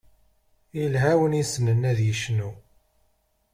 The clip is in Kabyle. Yelha win yessnen ad yecnu.